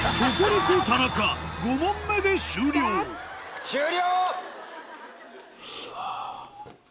５問目で終了終了！